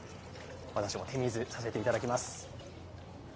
私も手水させていただきます。